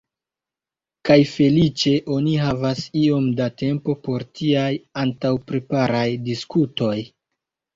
Kaj feliĉe oni havas iom da tempo por tiaj antaŭpreparaj diskutoj.